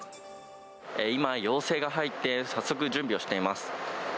今、要請が入って、早速、準備をしています。